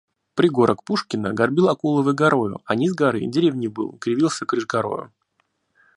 Пригорок Пушкино горбил Акуловой горою, а низ горы — деревней был, кривился крыш корою.